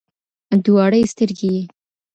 دواړي سترګي یې